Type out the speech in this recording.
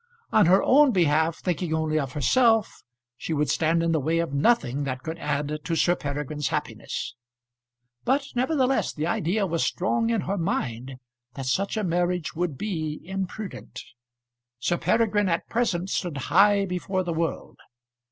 On her own behalf, thinking only of herself, she would stand in the way of nothing that could add to Sir Peregrine's happiness. But nevertheless the idea was strong in her mind that such a marriage would be imprudent. Sir Peregrine at present stood high before the world.